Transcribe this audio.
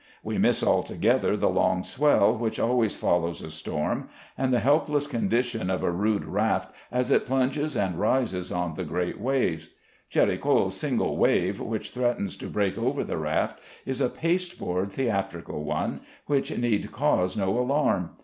We miss altogether the long swell which always follows a storm, and the helpless condition of a rude raft as it plunges and rises on the big waves. Géricault's single wave, which threatens to break over the raft, is a pasteboard, theatrical one, which need cause no alarm.